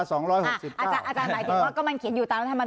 หมายถึงว่าก็มันเขียนอยู่ตามรัฐมน